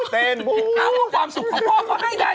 เต้นความสุขของพ่อเขาไม่ได้